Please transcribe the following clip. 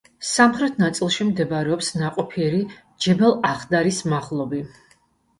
სამხრეთ ნაწილში მდებარეობს ნაყოფიერი ჯებელ-ახდარის მაღლობი.